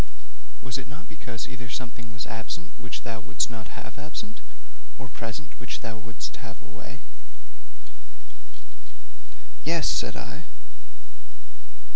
'Was it not because either something was absent which thou wouldst not have absent, or present which thou wouldst have away?' 'Yes,' said I.